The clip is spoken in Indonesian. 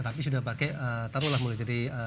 tapi sudah pakai